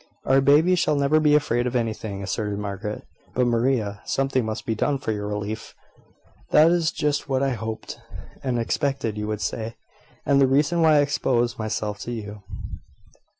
"Our baby shall never be afraid of anything," asserted Margaret. "But Maria, something must be done for your relief." "That is just what I hoped and expected you would say, and the reason why I exposed myself to you."